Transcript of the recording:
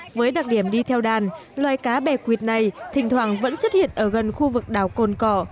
với đặc điểm đi theo đàn loài cá bè quyệt này thỉnh thoảng vẫn xuất hiện ở gần khu vực đảo cồn cỏ